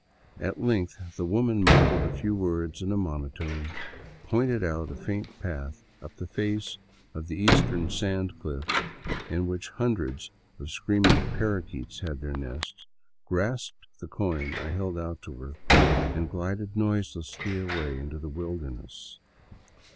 At length the woman mumbled a few words in a monotone, pointed out a faint path up the face of the eastern sand cliff, in which hundreds of scream ing parrakeets had their nests, grasped the coin I held out to her, and glided noiselessly away into the wilderness.